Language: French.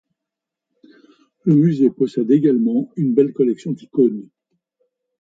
Le musée possède également une belle collection d'icônes.